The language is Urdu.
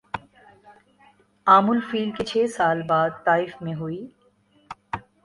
عام الفیل کے چھ سال بعد طائف میں ہوئی